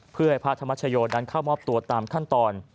เพื่อให้พระธรรมชโยนั้นเข้ามอบตัวตามขั้นตอน